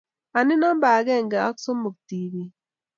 Anii namba akenge ako somok tibiik?